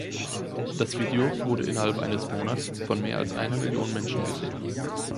Das Video wurde innerhalb eines Monats von mehr als einer Million Menschen gesehen.